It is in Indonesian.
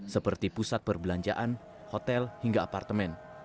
seperti pusat perbelanjaan hotel hingga apartemen